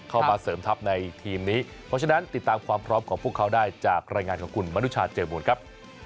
เข้ามาเสริมทัพในทีมนี้เพราะฉะนั้นติดตามความพร้อมของพวกเขาได้จากรายงานของคุณมนุชาเจอมูลครับ